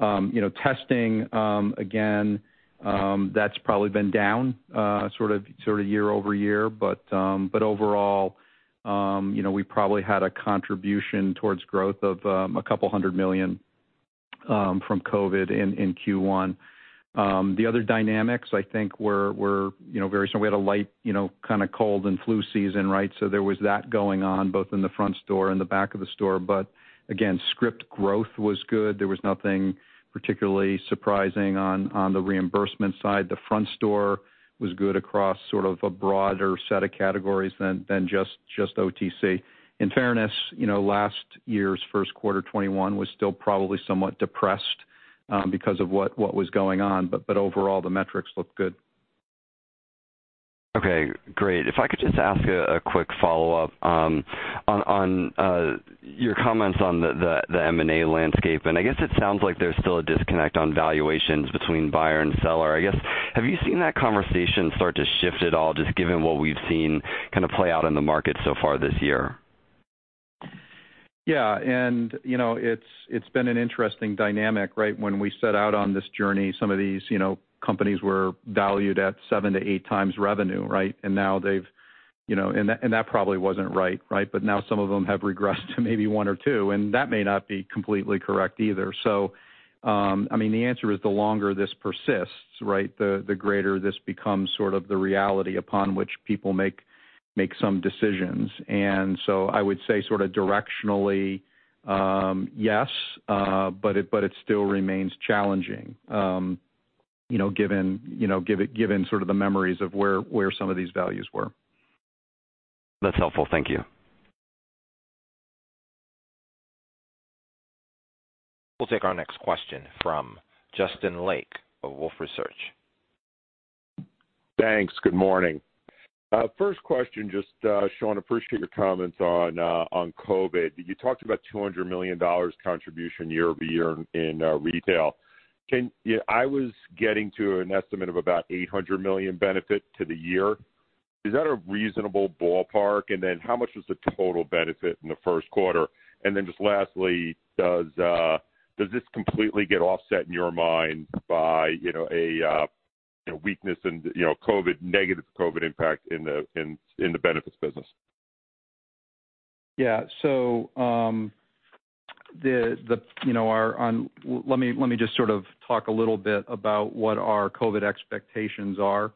You know, testing again, that's probably been down sort of year over year. Overall, you know, we probably had a contribution towards growth of $200 million from COVID in Q1. The other dynamics I think were very similar. We had a light, you know, kinda cold and flu season, right? There was that going on both in the front store and the back of the store. Again, script growth was good. There was nothing particularly surprising on the reimbursement side. The front store was good across sort of a broader set of categories than just OTC. In fairness, you know, last year's first quarter, 2021, was still probably somewhat depressed because of what was going on. Overall, the metrics look good. Okay, great. If I could just ask a quick follow-up on your comments on the M&A landscape, and I guess it sounds like there's still a disconnect on valuations between buyer and seller. I guess, have you seen that conversation start to shift at all, just given what we've seen kinda play out in the market so far this year? Yeah. You know, it's been an interesting dynamic, right? When we set out on this journey, some of these, you know, companies were valued at 7-8x revenue, right? Now they've, you know, and that probably wasn't right? Now some of them have regressed to maybe one or two, and that may not be completely correct either. I mean, the answer is the longer this persists, right, the greater this becomes sort of the reality upon which people make some decisions. I would say sorta directionally, yes, but it still remains challenging, you know, given, you know, given sort of the memories of where some of these values were. That's helpful. Thank you. We'll take our next question from Justin Lake of Wolfe Research. Thanks. Good morning. First question, just, Shawn Guertin, appreciate your comments on COVID. You talked about $200 million contribution year over year in retail. I was getting to an estimate of about $800 million benefit to the year. Is that a reasonable ballpark? And then how much was the total benefit in the first quarter? And then just lastly, does this completely get offset in your mind by, you know, a, you know, weakness and, you know, COVID, negative COVID impact in the benefits business? Yeah. Let me just sort of talk a little bit about what our COVID expectations are.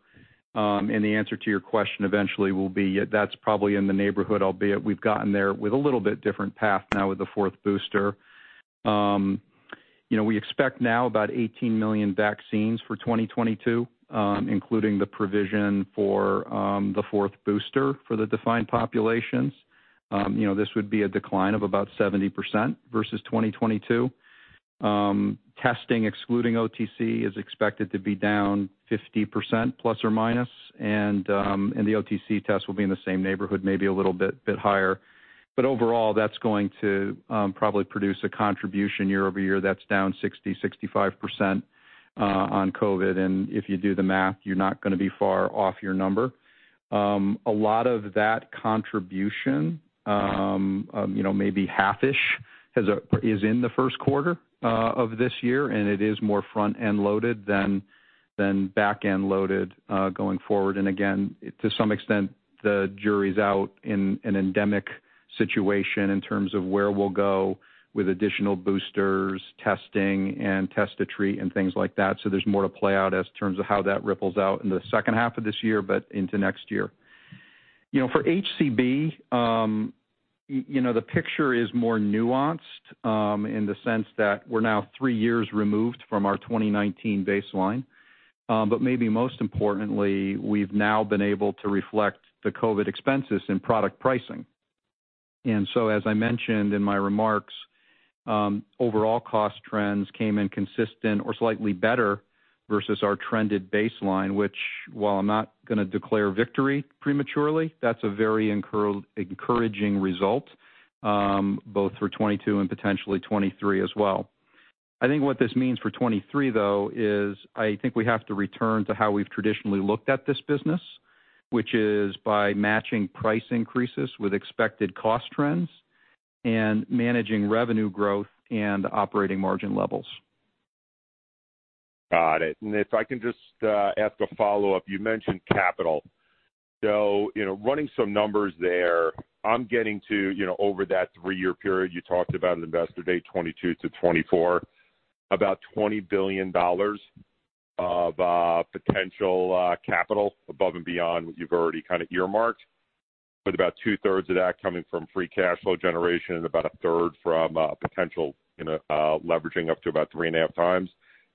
The answer to your question eventually will be, yeah, that's probably in the neighborhood, albeit we've gotten there with a little bit different path now with the fourth booster. You know, we expect now about 18 million vaccines for 2022, including the provision for the fourth booster for the defined populations. You know, this would be a decline of about 70% versus 2022. Testing, excluding OTC, is expected to be down 50% plus or minus. The OTC test will be in the same neighborhood, maybe a little bit higher. Overall, that's going to probably produce a contribution year over year that's down 60%-65% on COVID. If you do the math, you're not gonna be far off your number. A lot of that contribution, you know, maybe half-ish is in the first quarter of this year, and it is more front-end loaded than back-end loaded going forward. Again, to some extent, the jury's out in an endemic situation in terms of where we'll go with additional boosters, testing, and test to treat and things like that. There's more to play out in terms of how that ripples out in the second half of this year, but into next year. You know, for HCB, you know, the picture is more nuanced, in the sense that we're now three years removed from our 2019 baseline. Maybe most importantly, we've now been able to reflect the COVID expenses in product pricing. As I mentioned in my remarks, overall cost trends came in consistent or slightly better versus our trended baseline, which, while I'm not gonna declare victory prematurely, that's a very encouraging result, both for 2022 and potentially 2023 as well. I think what this means for 2023, though, is I think we have to return to how we've traditionally looked at this business, which is by matching price increases with expected cost trends and managing revenue growth and operating margin levels. Got it. If I can just ask a follow-up. You mentioned capital. You know, running some numbers there, I'm getting to, you know, over that three-year period you talked about in Investor Day, 2022-2024, about $20 billion of potential capital above and beyond what you've already kinda earmarked, with about two-thirds of that coming from free cash flow generation and about a third from potential, you know, leveraging up to about 3.5x.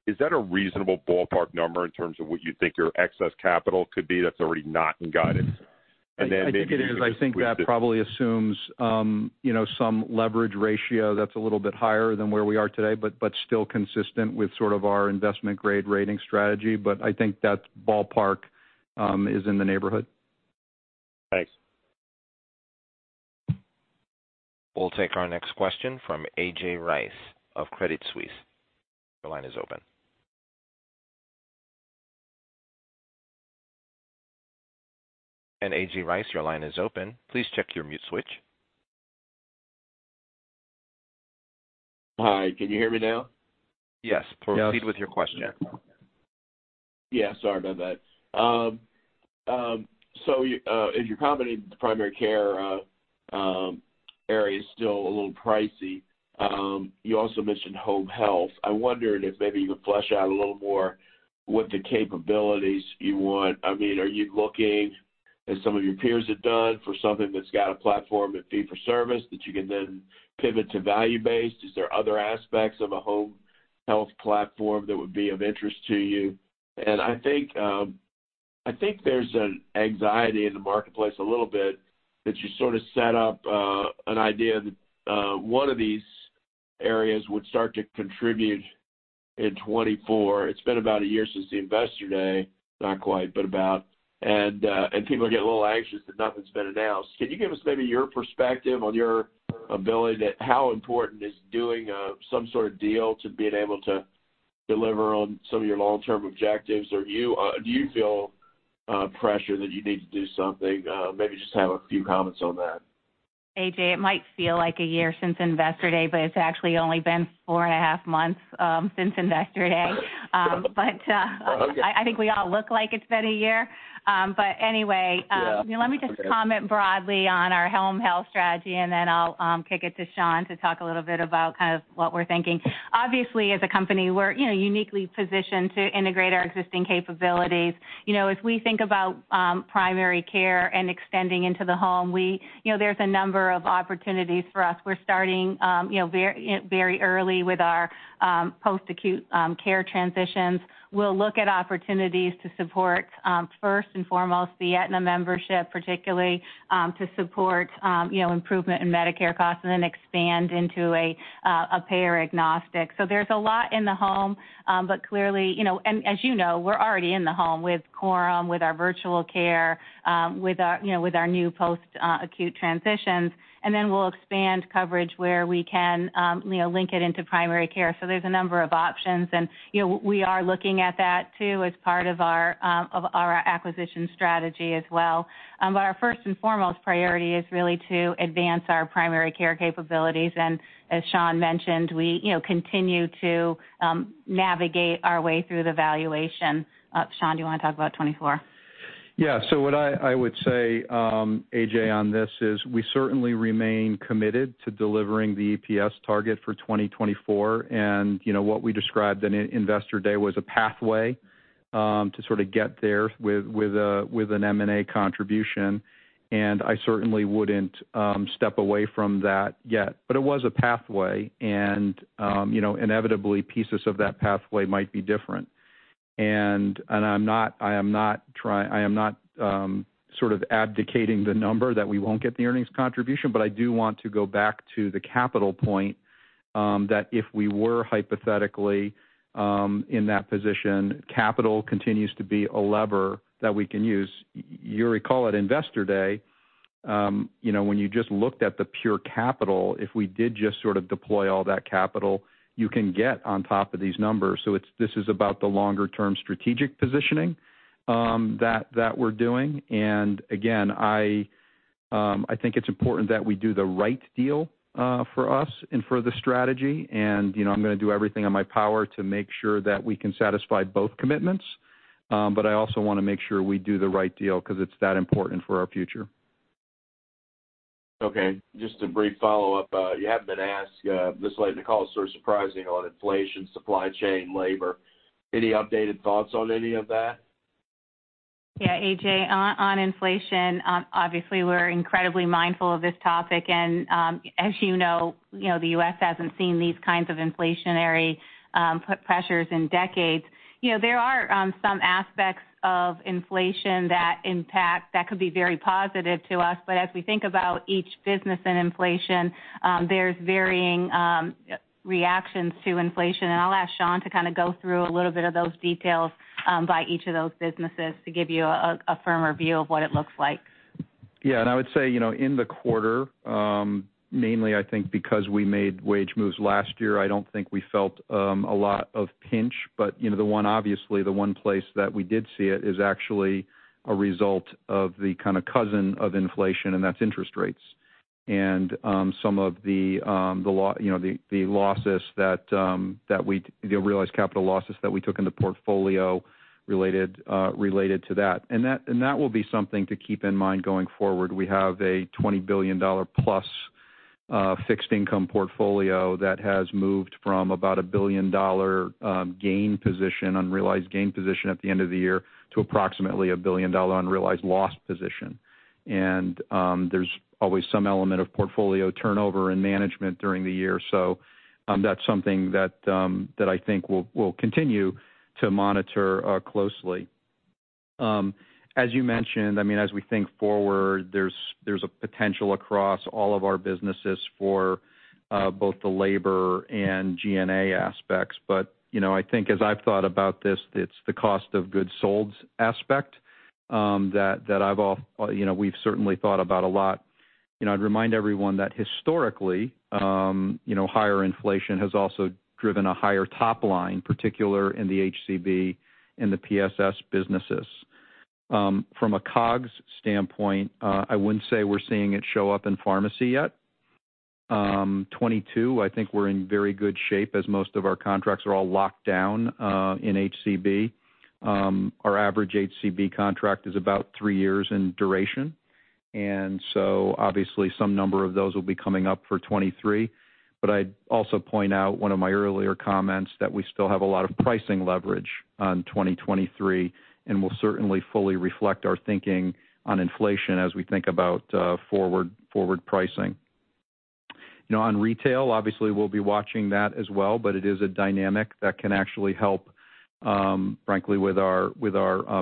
Is that a reasonable ballpark number in terms of what you think your excess capital could be that's already not in guidance? Mm-hmm. And then maybe- I think it is. I think that probably assumes, you know, some leverage ratio that's a little bit higher than where we are today, but still consistent with sort of our investment grade rating strategy. I think that ballpark is in the neighborhood. Thanks. We'll take our next question from A.J. Rice of Credit Suisse. Your line is open. A.J. Rice, your line is open. Please check your mute switch. Hi. Can you hear me now? Yes. Yes. Proceed with your question. Yeah, sorry about that. So as you're combining the primary care area is still a little pricey. You also mentioned home health. I wondered if maybe you could flesh out a little more what the capabilities you want. I mean, are you looking, as some of your peers have done, for something that's got a platform in fee-for-service that you can then pivot to value-based? Is there other aspects of a home health platform that would be of interest to you? I think there's an anxiety in the marketplace a little bit that you sort of set up an idea that one of these areas would start to contribute in 2024. It's been about a year since the Investor Day, not quite, but about. People are getting a little anxious that nothing's been announced. Can you give us maybe your perspective on how important is doing some sort of deal to being able to deliver on some of your long-term objectives? Do you feel pressure that you need to do something? Maybe just have a few comments on that. A.J., it might feel like a year since Investor Day, but it's actually only been four and a half months since Investor Day. Oh, okay. I think we all look like it's been a year. Anyway. Yeah. Okay Let me just comment broadly on our home health strategy, and then I'll kick it to Shawn to talk a little bit about kind of what we're thinking. Obviously, as a company, we're you know uniquely positioned to integrate our existing capabilities. You know, as we think about primary care and extending into the home, we you know there's a number of opportunities for us. We're starting you know very very early with our post-acute care transitions. We'll look at opportunities to support first and foremost the Aetna membership, particularly to support you know improvement in Medicare costs and then expand into a payer agnostic. So there's a lot in the home, but clearly you know. As you know, we're already in the home with Coram, with our virtual care, with our new post-acute transitions. Then we'll expand coverage where we can, you know, link it into primary care. There's a number of options. You know, we are looking at that too as part of our acquisition strategy as well. Our first and foremost priority is really to advance our primary care capabilities. As Shawn mentioned, we, you know, continue to navigate our way through the valuation. Shawn, do you wanna talk about 2024? Yeah. What I would say, A.J., on this is we certainly remain committed to delivering the EPS target for 2024. You know, what we described in Investor Day was a pathway to sort of get there with an M&A contribution, and I certainly wouldn't step away from that yet. It was a pathway, and you know, inevitably pieces of that pathway might be different. I'm not sort of abdicating the number that we won't get the earnings contribution, but I do want to go back to the capital point that if we were hypothetically in that position, capital continues to be a lever that we can use. You recall at Investor Day, you know, when you just looked at the pure capital, if we did just sort of deploy all that capital, you can get on top of these numbers. It's this is about the long-term strategic positioning that we're doing. Again, I think it's important that we do the right deal for us and for the strategy. You know, I'm gonna do everything in my power to make sure that we can satisfy both commitments, but I also wanna make sure we do the right deal 'cause it's that important for our future. Okay. Just a brief follow-up. You haven't been asked this late in the call, so surprising on inflation, supply chain, labor. Any updated thoughts on any of that? Yeah, A.J., on inflation, obviously, we're incredibly mindful of this topic. As you know, you know, the U.S. hasn't seen these kinds of inflationary pressures in decades. You know, there are some aspects of inflation that impact that could be very positive to us. As we think about each business and inflation, there's varying reactions to inflation. I'll ask Sean to kind of go through a little bit of those details by each of those businesses to give you a firmer view of what it looks like. Yeah. I would say, you know, in the quarter, mainly I think because we made wage moves last year, I don't think we felt a lot of pinch. You know, obviously, the one place that we did see it is actually a result of the kind of cousin of inflation, and that's interest rates. Some of the realized capital losses that we took in the portfolio related to that. That will be something to keep in mind going forward. We have a $20 billion plus fixed income portfolio that has moved from about a $1 billion unrealized gain position at the end of the year to approximately a $1 billion unrealized loss position. There's always some element of portfolio turnover and management during the year. That's something that I think we'll continue to monitor closely. As you mentioned, I mean, as we think forward, there's a potential across all of our businesses for both the labor and G&A aspects. You know, I think as I've thought about this, it's the cost of goods sold aspect that you know, we've certainly thought about a lot. You know, I'd remind everyone that historically, you know, higher inflation has also driven a higher top line, particularly in the HCB and the PSS businesses. From a COGS standpoint, I wouldn't say we're seeing it show up in pharmacy yet. 2022, I think we're in very good shape as most of our contracts are all locked down in HCB. Our average HCB contract is about three years in duration, and so obviously some number of those will be coming up for 2023. I'd also point out one of my earlier comments that we still have a lot of pricing leverage on 2023, and we'll certainly fully reflect our thinking on inflation as we think about forward pricing. You know, on retail, obviously we'll be watching that as well, but it is a dynamic that can actually help frankly with our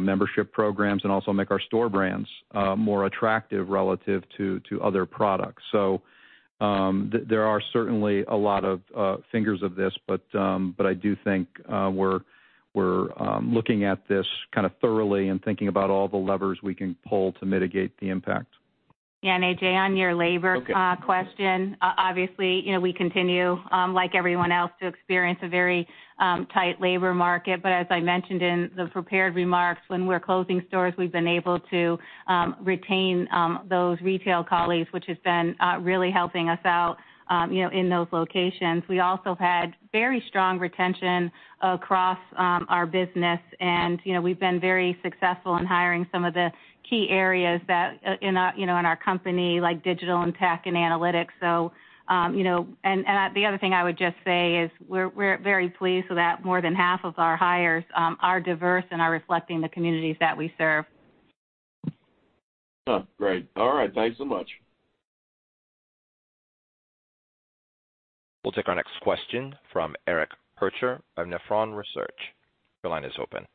membership programs and also make our store brands more attractive relative to other products. There are certainly a lot of factors of this, but I do think we're looking at this kind of thoroughly and thinking about all the levers we can pull to mitigate the impact. Yeah. A.J., on your labor- Okay. Obviously, you know, we continue, like everyone else, to experience a very tight labor market. As I mentioned in the prepared remarks, when we're closing stores, we've been able to retain those retail colleagues, which has been really helping us out, you know, in those locations. We also had very strong retention across our business. You know, we've been very successful in hiring in some of the key areas you know in our company like digital and tech and analytics. You know, and the other thing I would just say is we're very pleased that more than half of our hires are diverse and are reflecting the communities that we serve. Oh, great. All right. Thanks so much. We'll take our next question from Eric Percher of Nephron Research. Your line is open.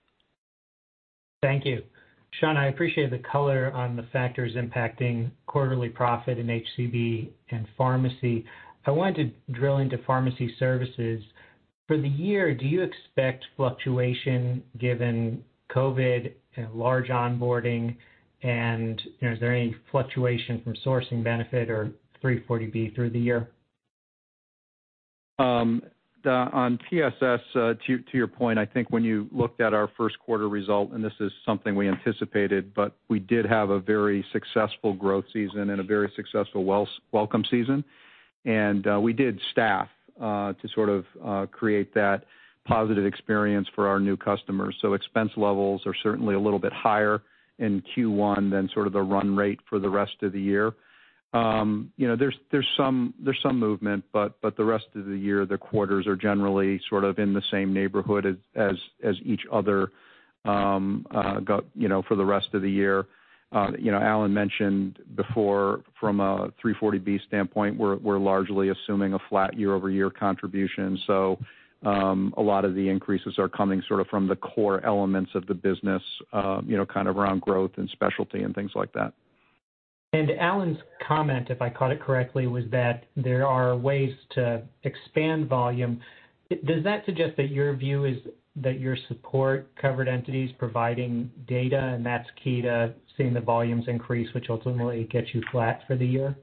Thank you. Shawn Guertin, I appreciate the color on the factors impacting quarterly profit in HCB and pharmacy. I wanted to drill into pharmacy services. For the year, do you expect fluctuation given COVID and large onboarding? You know, is there any fluctuation from sourcing benefit or 340B through the year? On PSS, to your point, I think when you looked at our first quarter result, and this is something we anticipated, but we did have a very successful growth season and a very successful welcome season. We did staff to sort of create that positive experience for our new customers. Expense levels are certainly a little bit higher in Q1 than sort of the run rate for the rest of the year. You know, there's some movement, but the rest of the year, the quarters are generally sort of in the same neighborhood as each other, you know, for the rest of the year. You know, Alan mentioned before from a 340B standpoint, we're largely assuming a flat year-over-year contribution. A lot of the increases are coming sort of from the core elements of the business, you know, kind of around growth and specialty and things like that. Alan Lotvin's comment, if I caught it correctly, was that there are ways to expand volume. Does that suggest that your view is that your support covered entities providing data, and that's key to seeing the volumes increase, which ultimately gets you flat for the year?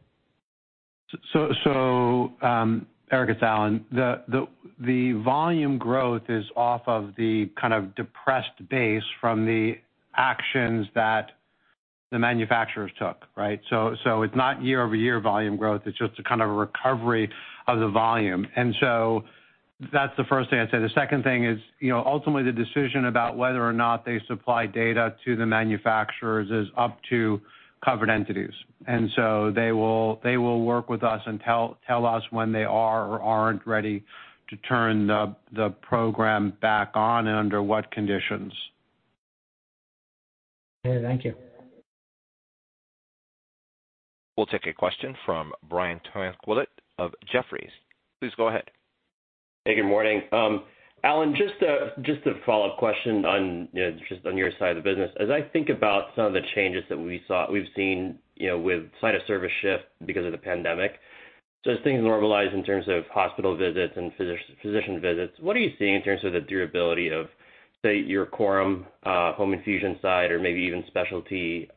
Eric, it's Alan. The volume growth is off of the kind of depressed base from the actions that the manufacturers took, right? It's not year-over-year volume growth, it's just a kind of a recovery of the volume. That's the first thing I'd say. The second thing is, you know, ultimately, the decision about whether or not they supply data to the manufacturers is up to covered entities. They will work with us and tell us when they are or aren't ready to turn the program back on and under what conditions. Okay, thank you. We'll take a question from Brian Tanquilut of Jefferies. Please go ahead. Hey, good morning. Alan, just a follow-up question on, you know, just on your side of the business. As I think about some of the changes that we've seen, you know, with site of service shift because of the pandemic, so as things normalize in terms of hospital visits and physician visits, what are you seeing in terms of the durability of, say, your Coram home infusion side or maybe even specialty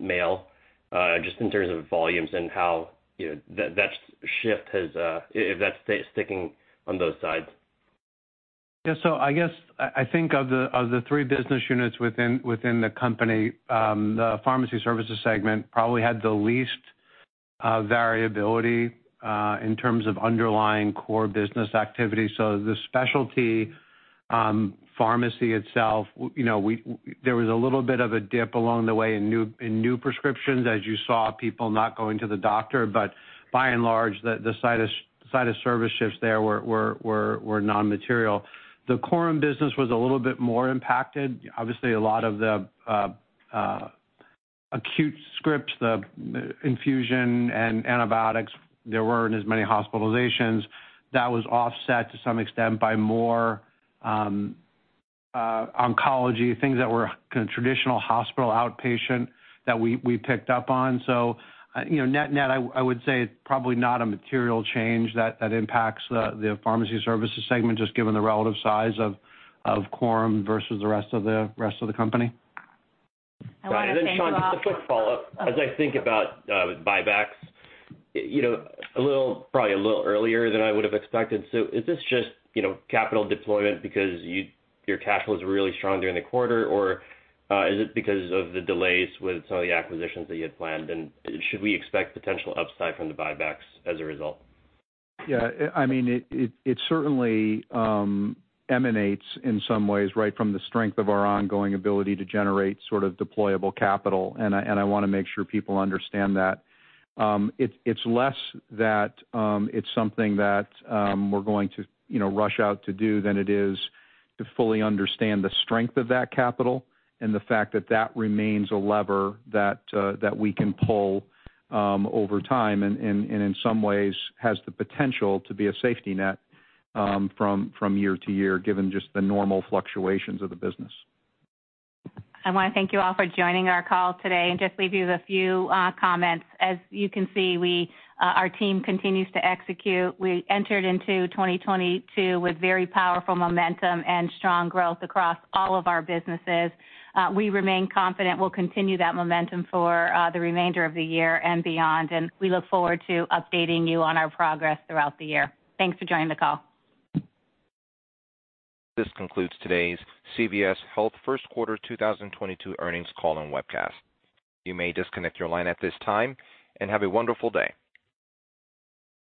mail, just in terms of volumes and how, you know, that shift has, if that's sticking on those sides? Yeah. I guess I think of the three business units within the company, the pharmacy services segment probably had the least variability in terms of underlying core business activity. The specialty pharmacy itself, you know, there was a little bit of a dip along the way in new prescriptions as you saw people not going to the doctor. By and large, the site of service shifts there were non-material. The Coram business was a little bit more impacted. Obviously, a lot of the acute scripts, the infusion and antibiotics, there weren't as many hospitalizations. That was offset to some extent by more oncology things that were kind of traditional hospital outpatient that we picked up on. You know, net-net, I would say probably not a material change that impacts the pharmacy services segment, just given the relative size of Coram versus the rest of the company. I wanna thank you all for. Shawn, just a quick follow-up. As I think about buybacks, you know, a little, probably a little earlier than I would've expected. Is this just, you know, capital deployment because your cash was really strong during the quarter, or is it because of the delays with some of the acquisitions that you had planned? Should we expect potential upside from the buybacks as a result? Yeah, I mean, it certainly emanates in some ways, right from the strength of our ongoing ability to generate sort of deployable capital, and I wanna make sure people understand that. It's less that it's something that we're going to, you know, rush out to do than it is to fully understand the strength of that capital and the fact that that remains a lever that we can pull over time and in some ways has the potential to be a safety net from year to year, given just the normal fluctuations of the business. I wanna thank you all for joining our call today and just leave you with a few comments. As you can see, our team continues to execute. We entered into 2022 with very powerful momentum and strong growth across all of our businesses. We remain confident we'll continue that momentum for the remainder of the year and beyond, and we look forward to updating you on our progress throughout the year. Thanks for joining the call. This concludes today's CVS Health first quarter 2022 earnings call and webcast. You may disconnect your line at this time, and have a wonderful day.